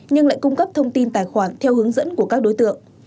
nhưng lại cung cấp thông tin tài khoản theo hướng dẫn của các đối tượng